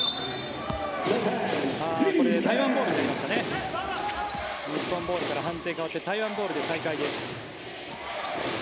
台湾ボールになりました日本ボールから判定変わって台湾ボールで再開です。